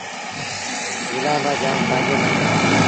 جُلآݩبآݩ جآم ڦآئيٚدي مند اهي